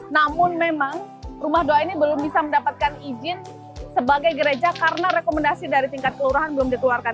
namun memang rumah doa ini belum bisa mendapatkan izin sebagai gereja karena rekomendasi dari tingkat kelurahan belum dikeluarkan